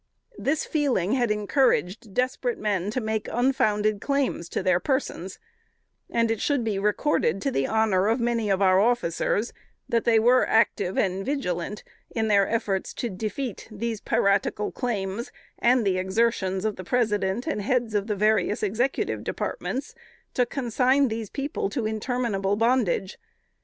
This feeling had encouraged desperate men to make unfounded claims to their persons: and it should be recorded to the honor of many of our officers, that they were active and vigilant in their efforts to defeat these piratical claims, and the exertions of the President and heads of the various Executive Departments, to consign these people to interminable bondage.